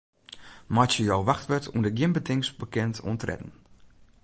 Meitsje jo wachtwurd ûnder gjin betingst bekend oan tredden.